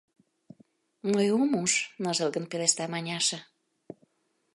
— Мый ом уж, — ныжылгын пелешта Маняша.